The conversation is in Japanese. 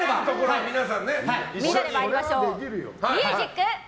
みんなで参りましょう。